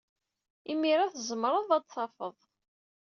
Imir-a, tzemred ad d-tadfed.